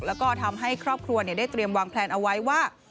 แล้วก็ทำให้ครอบครัวได้เตรียมวางแพลนเอาไว้ว่า